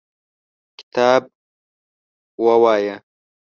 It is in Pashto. کتاب ولوله !